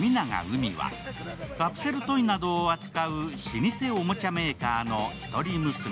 海は、カプセルトイなどを扱う老舗おもちゃメーカーの一人娘。